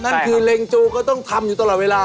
นั่นคือเล็งจูก็ต้องทำอยู่ตลอดเวลา